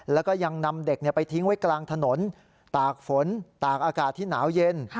แล้วก็ยังนำเด็กไปทิ้งไว้กลางถนนตากฝนตากอากาศที่หนาวเย็น